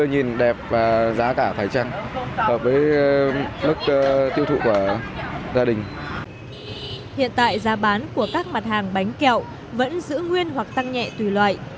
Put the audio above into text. hiện tại giá bán của các mặt hàng bánh kẹo vẫn giữ nguyên hoặc tăng nhẹ tùy loại